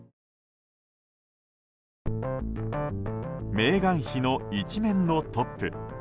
メーガン妃の１面のトップ。